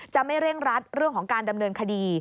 ไม่เร่งรัดเรื่องของการดำเนินคดี